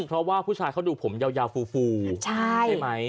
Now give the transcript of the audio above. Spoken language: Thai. เพราะว่าผู้ชายเขาดูผมยาวฟูใช่ไหม